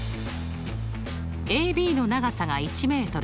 ＡＢの長さが１ｍ。